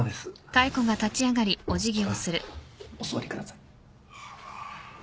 お座りください。